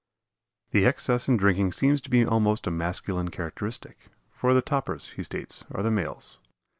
The excess in drinking seems to be almost a masculine characteristic, for the topers, he states, are the males.